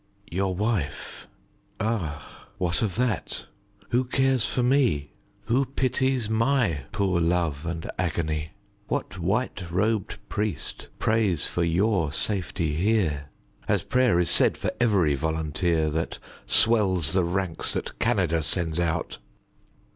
Your wife? Ah, what of that, who cares for me? Who pities my poor love and agony? What white robed priest prays for your safety here, As prayer is said for every volunteer That swells the ranks that Canada sends out?